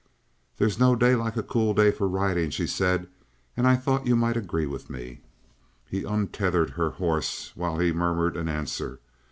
"There's no day like a cool day for riding," she said, "and I thought you might agree with me." He untethered her horse while he murmured an answer.